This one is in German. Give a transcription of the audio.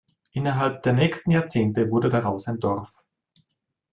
Innerhalb der nächsten Jahrzehnte wurde daraus ein Dorf.